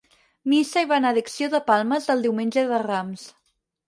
Missa i benedicció de palmes del Diumenge de Rams.